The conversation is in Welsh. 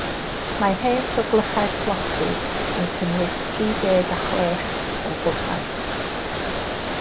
Mae rhes o glychau'r clochdy yn cynnwys tri deg a chwech o glychau.